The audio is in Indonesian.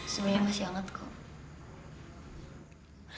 sebenarnya masih hangat kok